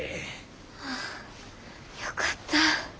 ああよかった。